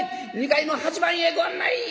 ２階の８番へご案内！」。